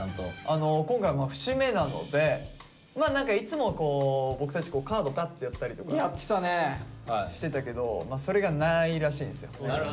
あの今回は節目なので何かいつもこう僕たちカードバッてやったりとかしてたけどそれがないらしいんですよ。